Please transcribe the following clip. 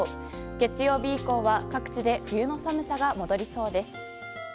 月曜日以降は各地で冬の寒さが戻りそうです。